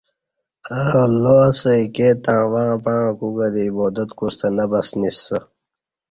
اہ االلہ اسہ ایکے تݩع وݩع پݩع کُوکہ دی عبا د ت کوستہ نہ پسنیسہ